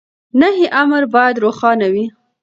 نهي امر بايد روښانه وي.